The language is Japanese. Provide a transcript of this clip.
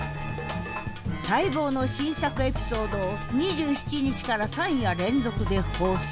待望の新作エピソードを２７日から３夜連続で放送。